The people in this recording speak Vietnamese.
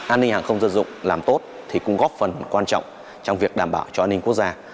an ninh hàng không dân dụng làm tốt thì cũng góp phần quan trọng trong việc đảm bảo cho an ninh quốc gia